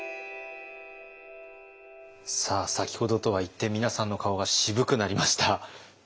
さあ先ほどとは一転皆さんの顔が渋くなりました。